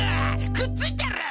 くっついてる？